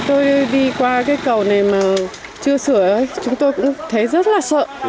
chúng tôi đi qua cái cầu này mà chưa sửa hết chúng tôi cũng thấy rất là sợ